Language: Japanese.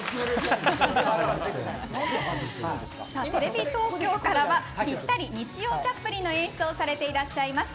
テレビ東京からはぴったりにちようチャップリンの演出をされていらっしゃいます